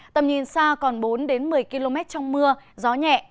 tầm nhìn xa còn bốn một mươi km trong mưa gió nhẹ